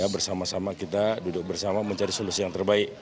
bersama sama kita duduk bersama mencari solusi yang terbaik